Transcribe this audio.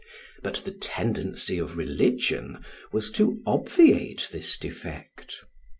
But the tendency of religion was to obviate this defect.